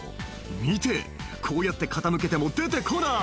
「見てこうやって傾けても出て来ない」